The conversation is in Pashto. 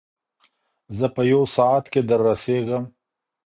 زه په یو ساعت کې در رسېږم.